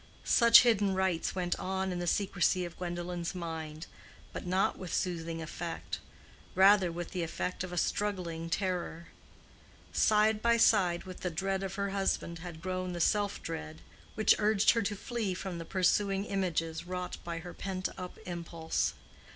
Such hidden rites went on in the secrecy of Gwendolen's mind, but not with soothing effect—rather with the effect of a struggling terror. Side by side with the dread of her husband had grown the self dread, which urged her to flee from the pursuing images wrought by her pent up impulse.